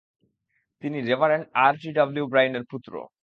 তিনি reverend R. T. W ব্রাইনের পুত্র।